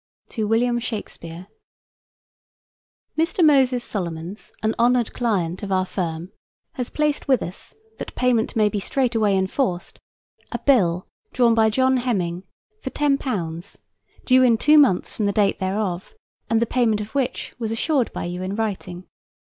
To WILLIAM SHAKESPEARE: Mr. Moses Solomons, an honored client of our firm, has placed with us, that payment may be straightway enforced, a bill drawn by John Heminge, for £10, due in two months from the date thereof, and the payment of which was assured by you in writing.